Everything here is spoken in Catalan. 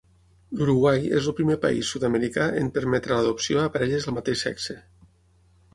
L'Uruguai és el primer país sud-americà en permetre l'adopció a parelles del mateix sexe.